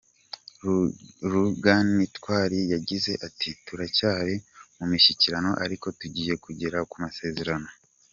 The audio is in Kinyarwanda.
Ruganintwali yagize ati “Turacyari mu mishyikirano, ariko tugiye kugera ku masezerano.